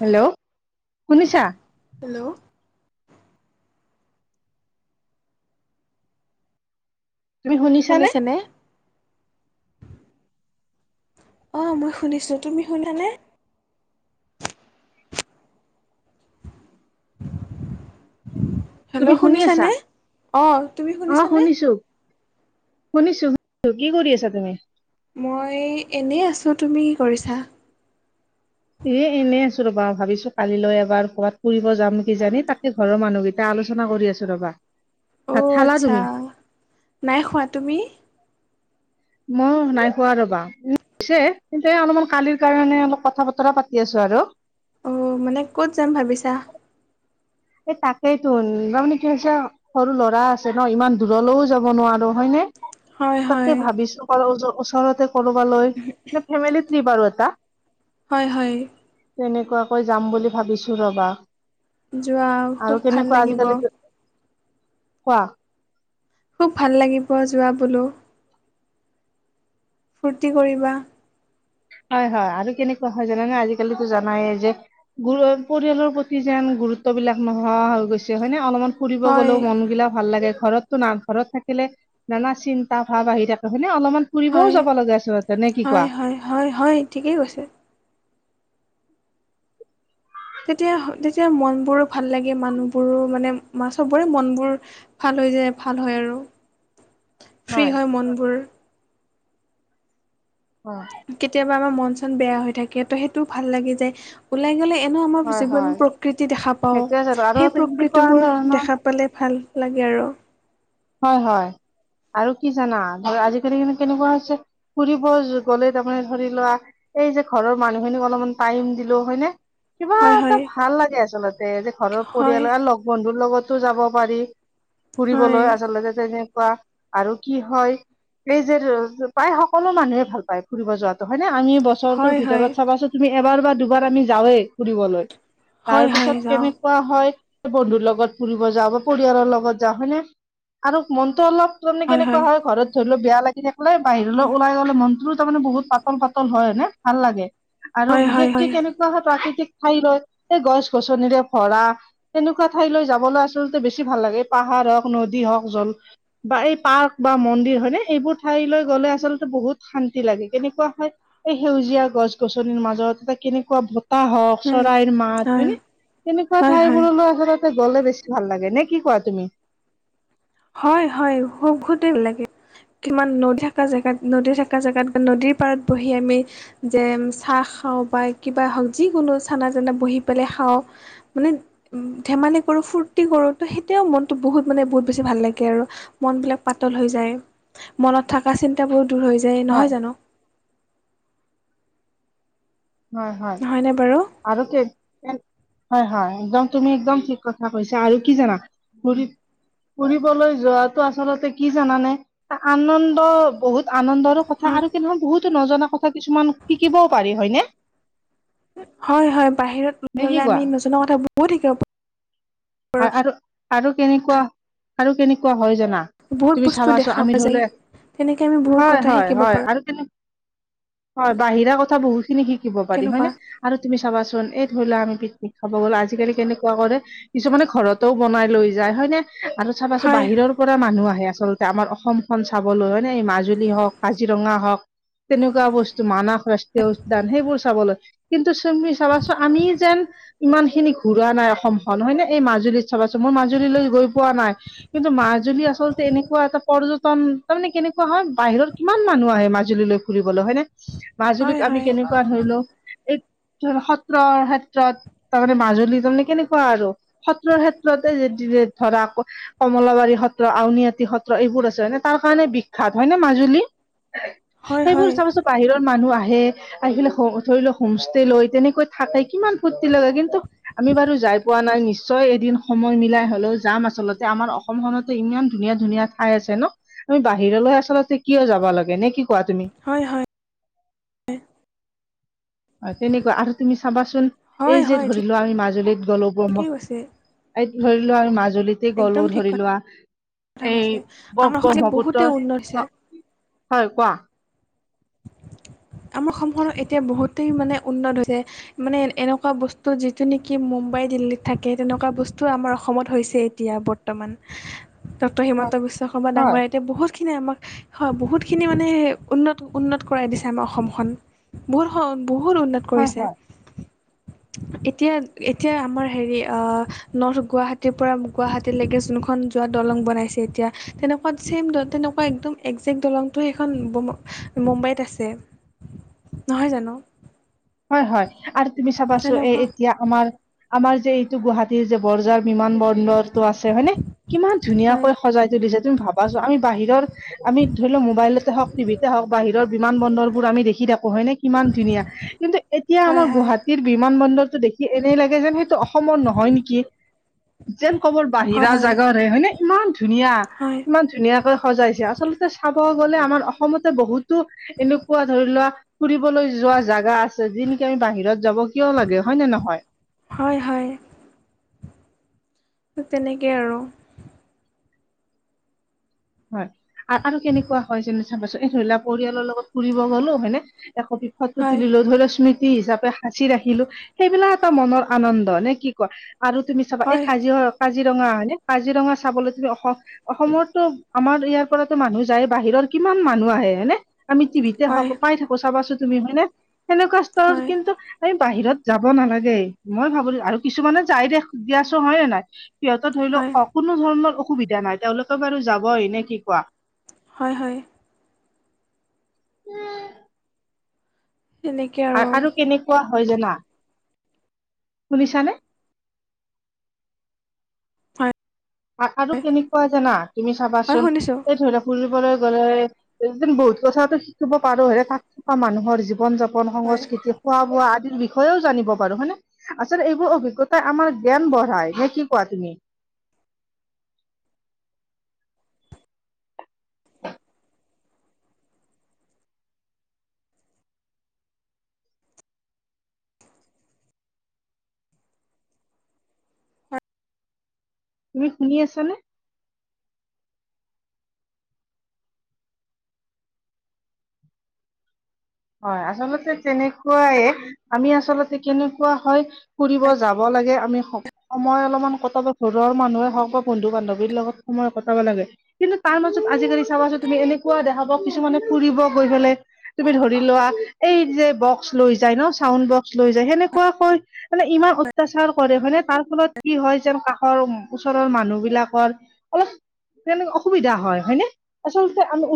Hello শুনিছা hello তুমি শুনিছা নে শুনিছেনে? অ মই শুনিছো তুমি শুনা নাই [unintelligible] তুমি হেল্ল' শুনি আছা শুনিছানে? অঁ তুমি অ শুনিছানে? শুনিছো। শুনিছো শুনিছো কি কৰি আছা তুমি মই এনেই আছো তুমি কি কৰিছা। এ এনেই আছো ৰবা, ভাবিছো কালিলৈ এবাৰ কবাত ফুৰিব যাম কিজানি তাকে ঘৰৰ মানুহকেইটা আলোচনা কৰি আছো ৰবা। ভাত অ' খালা আচ্ছা তুমি নাই খোৱা তুমি মই নাই খোৱা ৰ'বা উম পিছে কিন্তু অলপমান কালিৰ কাৰণে অলপ কথা বতৰা পাতি আছো আৰু অ' মানে ক'ত যাম ভাবিছা এই তাকেইতোন [unintelligible] সৰু ল'ৰা আছে ন ইমান দূৰলৈও যাব নোৱাৰো হয়নে হয় হয় তাকে ভাবিছো কৰবালৈ ওচৰতে কৰবালৈ ফেমিলি ট্ৰিপ আৰু এটা হয় হয়। তেনেকুৱাকৈ যাম বুলি ভাবিছো ৰবা। যোৱা আৰু খুব ভাল কেনেকুৱা লাগিব আজিকালি কোৱা খুব ভাল লাগিব যোৱা বোলো। ফূৰ্তি কৰিবা। হয় হয় আৰু কেনেকুৱা হয় জানা নে আজিকালিতো জানায়ে যে গু পৰিয়ালৰ প্ৰতি যেন গুৰুত্ব বিলাক নোহোৱা হৈ গৈছে হয় নে অলপমান ফুৰিব হয় গ'লেও মনগিলা ভাল লাগে ঘৰত ঘৰত থাকিলে নানা চিন্তা ভাৱ আহি থাকে হয় নে অলপমান ফুৰিবও হয় যাব লাগে আচলতে নে কি হয় কোৱা হয় হয় হয় ঠিকেই কৈছে। তেতিয়া তেতিয়া মনবোৰো ভাল লাগে মানুহবোৰো মানে মা চবৰে মনবোৰ ভাল হৈ যায় ভাল হয় আৰু ফ্ৰী হয় মনবোৰ হয় কেতিয়াবা আমাৰ মন চন বেয়া হৈ থাকে ত সেইটো ভাল লাগি যায়। ওলাই গ'লে এনেও আমাৰ হয় যিবোৰ হয় প্ৰকৃতি দেখা পাওঁ সেইটোৱে জানো আৰু সেই তেনেকুৱা প্ৰকৃতিবোৰ ধৰণৰ দেখা পালে ভাল লাগে আৰু হয় হয় আৰু কি জানা ধৰ আজিকালি মানে কেনেকুৱা হৈছে ফুৰিব গ'লে তাৰমানে ধৰি লোৱা এই যে ঘৰৰ মানুহখিনিক অলপমান টাইম দিলো হয়নে কিবা হয় এটা হয় ভাল লাগে আচলতে যে ঘৰৰ হয় পৰিয়াল আৰু লগ বন্ধুৰ লগতো যাব পাৰি হয় ফুৰিবলৈ আছ লগতে তেনেকুৱা আৰু কি হয়? এই যে, প্ৰায় সকলো মানুহে ভাল পায় ফুৰিব যোৱাতটো হয় নে, আমি বত বছৰটোৰ হয় হয় ভিতৰত চাবাচোন, তুমি এবাৰ বা দুবাৰ আমি যাঁওয়ে ফুৰিবলৈ হয় তাৰ হয় পিছত যাওঁ কেনে কোৱা হয় বন্ধুৰ লগত ফুৰিব যাওঁ বা পৰিয়ালৰ লগত যাওঁ হয়নে? আৰু মনটো অলপ তৰনে কেনেকুৱা হয়, ঘৰত ধৰলও বেয়া লাগি থাকিলে বাহিৰলৈ অলাই গ'লে মন তাৰ মানে বহুত পাতল-পাতল হয়নে? ভাল লাগে। আৰু হয় হয় বিশেষকে হয় কেনে পহা প্ৰাকৃতিক ঠাই লয়, এই গছ-গছনিৰে ভৰা। তেনেকুৱা ঠাইলৈ যাবলৈ আচলতে বেছি ভাল লাগে। পাহাৰ হওক, নদী হওক জল বা, এই পাৰ্ক বা মন্দিৰ হয়নে? এইবোৰ ঠাইলৈ গ'লে আচলতে বহুত শান্তি লাগে, কেনেকুৱা হয় এই সেউজীয়া গছ-গছনিৰ মাজত এটা কেনেকুৱা বতাহ হওক। চৰাইৰ মাত হয় হয়নে? তেনেকুৱা হয় ঠাই হয় বোৰলৈ আচলত তে গ'লে বেছি ভাল লাগে নে কি কোৱা তুমি? হয়, হয় সহুতে লাগে। কিমান নদী থকা জেগাত, নদী থকা জেগাত, নদীৰ পাৰত বহি আমি যেম চাহ খাওঁ বা কিবা হওক, যিকোনো চানা-জানা বহি পেলাই খাওঁ। মানে ধেমালি কৰোঁ, ফূৰ্তি কৰোঁ তো, সেইতিয়াও মনটো বহুত, মানে বহুত বেছি ভাল লাগে আৰু মনবিলাক পাতল হৈ যায়, মনত থাকা চিন্তাবোৰ দূৰ হৈ দেৰি হয় নহয় জানো? হয়, হয়। হয়নে বাৰু? আৰু কে [inaudible] হয়, হয়। একদম তুমি একদম ঠিক কথা কৈছা। আৰু কি জানা ফুৰিবলৈ যোৱাাটো আচলতে কি জানানে? আ-আনন্দ বহুত আনন্দৰো কথা হয় আৰু [unintelligible] বহুতো নজনা কথা কিছুমান শিকিবও পাৰি হয়নে? হয়, হয়, বাহিৰত নে কি ল'লে কোৱা আমি নজনোৱাকে বহুত শিকিব পাৰোঁ আ-আৰু, আৰু কেনেকুৱা, আৰু কেনেকুৱা হয় জানা? বহুত তুমি বস্তু চাবাছো দেখা আমি পোৱা যায়। ধৰিলো এ তেনেকে আমি [unintelligible] বহুত হয়, কথা হয়, শিকিব হয় পাৰোঁ আৰু হয়, বাহিৰা কথা বহুত খিনি শিকিব পাৰি কেনেকুৱা হয়নে? আৰু তুমি চাবাচোন, এই ধৰিলা আমি পিকনিক খাব গ'লোঁ। আজিকালি কেনেকুৱা কৰে? কিছুমানে ঘৰতও বনাই লৈ যায় হয় নে? আৰু চাবাচো হয়। বাহিৰৰ পৰা মানুহ আহে আচলতে আমাৰ অসমখন চাবলৈ হয়নে? এই মাজুলী হওক, কাজিৰঙা হওক। তেনেকুৱা বস্তু, মানাস ৰাষ্ট্ৰীয় উদ্যান সেইবোৰ চাবলৈ কিন্তু চুমি চাবাচো, আমি যেন ইমানখিনি ঘূৰা নাই অসমখন, হয় নে? এই মাজুলীত চাবাছো, মই মাজুলীলৈ গৈ পোৱা নাই। কিন্তু মাজুলী আচলতে এনেকুৱা এটা পৰ্যটন, তাৰ মানে কেনেকুৱা হয়, বাহিৰত কিমান মানুহ আহে মাজুলীলৈ ফুৰিবলৈ হয়নে? হয় মাজুলীক আমি হয় কেনে [unintelligible] এই সত্ৰৰ ক্ষেত্ৰত তাৰমানে মাজুলী, তাৰমানে কেনেকুৱা আৰু সত্ৰৰ ক্ষেত্ৰতে [unintelligible] ধৰা আকৌ কমলাবাৰী সত্ৰ, আউনীআটী সত্ৰ এইবোৰ আছে। নে, তাৰ কাৰণে বিখ্যাত হয়নে মাজুলী? হয় হয় সেইবোৰ চাবচো, বাহিৰৰ মানুহ আহে। আহিলে হ, ধৰি লওঁ হোম ষ্টে' লৈ তেনেকৈ থাকে, কিমান ফূৰ্তি লগে। কিন্তু আমি বাৰু যাই পোৱা নাই নিশ্চ ছয়, এদিন সময় মিলাই হলেও যাম। আচলতে আমাৰ অসমখনতে ইমান ধুনীয়া-ধুনীয়া ঠাই আছে ন? আমি বাহিৰলৈ আচলতে কিয় যাব লাগে নে কি কোৱা তুমি। হয় হয়। হয় তেনেকুৱা আৰু তুমি চাবাচোন এই হয় যে হয় ধৰি লোৱা আমি মাজুলীত গলো ঠিকেই প্ৰমখ। কৈছে এই ধৰি লোৱা আৰু মাজুলীত। একদম গলো ঠিক ধৰি লোৱা কথা এই কৈছে আমাৰ অসম ব্ৰহ্মপুত্ৰ। বহুতেই উন্নত হৈছে হয় কোৱা। হয। আমাৰ অসমখনত এতিয়া বহুতেই মানে উন্নত হৈছে। মানে এনেকুৱা বস্তু যিটো নেকি মুম্বাই দিল্লীত থাকে তেনেকুৱা বস্তু আমাৰ অসমত হৈছে। এতিয়া বৰ্তমান। [inaudible] ডটৰ হয় হিমন্ত বিশ্ব শৰ্মা হয় ডাঙৰে এতিয়া বহুতখিনি আমাক হয় বহুতখিনি মানে উন্নত। উন্নত কৰাই দিছে আমাৰ অসমখন বহুত বহুত উন্নত কৰিছে। [inaudible] এতিয়া এতিয়া আমাৰ হেৰি অ নৰ্থ গুৱাহাটীৰ পৰা গুৱাহাটী লৈকে যোনখন। যোৱা দলং বনাইছে এতিয়া তেনেকুৱাত চছেম দ তেনেকুৱা একদম একজেক্ট দলংটো সেইখন। মুম্বাইত আছে নহয় জানো। হয় হয় আৰু তুমি চাবাচো এ তেনেকুৱা এতিয়া। আমাৰ আমাৰ যে এইটো গুৱাহাটীৰ যে বৰজাৰ বিমান বৰ। সুন্দৰটো আছে হয়নে কিমান হয় ধুনীয়াকৈ সজাই তুলিছে তুমি ভাবাচোন আমি বাহিৰৰ। আমি ধৰিলোঁৱা মবাইলতে হওঁক টিভিতে হওঁক বাহিৰৰ বিমান বন্দৰবোৰ আমি দেখি থাকো হয় নে। কিমান ধুনীয়া কিন্তু এতিয়া হয় আমাৰ হয় গুৱাহাটী। বিমান বন্দৰটো দেখি এনেই লাগে যেন সেইটো অসমৰ নহয় নেকি? যেন কবৰ বাহিৰা হয় জাগাৰে হয়নে ইমান হয় ধুনীয়া ইমান। ধুনীয়াকৈ সজাইছে আচলতে চাব গ'লে আমাৰ অসমতে বহুতো এনেকুৱা ধৰি লোৱা। ফুৰিবলৈ যোৱা জাগা আছে যি নেকি আমি বাহিৰত যাব কিয় লাগে হয় নে নহয়। হয় হয়। ত তেনেকেই আৰু। হয় আৰু আৰু কেনেকুৱা হয় যে চাবাচোন এ ধৰি লা পৰিয়ালৰ লগত ফুৰিব গ'লো হয় নে। একপি ফতো হয় তুলিলো ধৰিলোৱা ইশ্মিত। তি হিচাপে সাঁচি ৰাখিলো সেইবিলাক এটা মোনৰ আনন্দ নে কি কয়। আৰু তুমি চাবা এই হয় কাজিৰ কাজিৰঙা হয়নে কাজিৰঙা চাবলৈ তুমি অসম অসমৰ তো। আমাৰ ইয়াৰ পৰাতো মানুহ যায় বাহিৰৰ কিমান মানুহ আহে হয় নে আমি টিভিত। দেখা হয় পাই থাকো চাবাচো তুমি হয়নে সেনেকুৱা। স্তৰত হয়। কিন্তু আমি বাহিৰত যাব নালাগে মই ভাবো আৰু কিছুমানে যাই দে দিয় আছো হয় নে নাই। সিহঁতৰ ধৰি হয় লওক অ কোনো ধৰণৰ অসুবিধা নাই তেওঁলোকে বাৰু যাবয়ে নে কি কোৱা। হয় হয়। উম। তেনেকে। আৰু কেনেকুৱা হয় জানা শুনিছানে। হয় আৰু কেনেকুৱা জানা তুমি হয় চাবাচোন শুনিছোঁ এই ধৰি লওক। ফুৰিবলৈ গ'লে এ বহুত কথাতটো শিকিব পাৰো হে তাত থকা মানুহৰ জীৱন যাপন। হয় হয় সংস্কৃতি খোৱা বোৱা আদিৰ বিষয়েও জানিব পাৰো হয়নে। আচলতে এইবোৰ অভিজ্ঞতাই আমাৰ জ্ঞান বঢ়াই নে কি কোৱা তুমি। তুমি শুনি আছানে? হয়, আচলতে তেনেকুৱাইে আমি আচলতে কেনেকুৱা হয় ফুৰিব যাব লাগে আমি সময় অলপমান কটাব ঘৰৰ মানুহে হওক বা বন্ধু-বান্ধৱীৰ লগত সময় কটাব লাগে। কিন্তু তাৰ মাজত আজিকালি চাবাচোন তুমি এনেকুৱা দেখাবা কিছুমানে ফুৰিব গৈ পেলাই তুমি ধৰি লোৱা এই যে বক্স লৈ যায় ন' চাউণ্ড বক্স লৈ যায় সেনেকুৱাকৈ মানে ইমান অত্যাচাৰ কৰে মানে তাৰ ফলত কি হয়, যেন কাষৰ ওচৰৰ মানুহ বিলাকৰ অলপ তোন অসুবিধা হয় হয়নে? আচলতে আমি